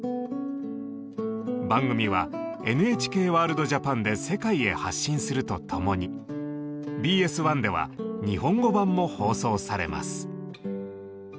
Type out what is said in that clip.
番組は「ＮＨＫワールドＪＡＰＡＮ」で世界へ発信するとともにＢＳ１では日本語版も放送されます。